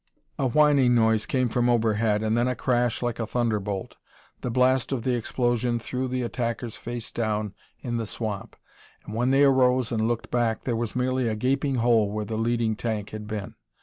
A whining noise came from overhead, and then a crash like a thunderbolt. The blast of the explosion threw the attackers face down in the swamp, and when they arose and looked back there was merely a gaping hole where the leading tank had been.